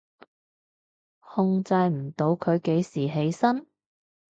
控制唔到佢幾時起身？